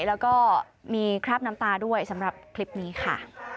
แล้วก็มีคราบน้ำตาด้วยสำหรับคลิปนี้ค่ะ